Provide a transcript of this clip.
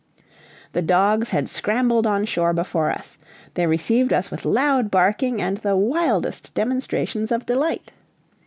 The dogs had scrambled on shore before us; they received us with loud barking and the wildest demonstrations of delight.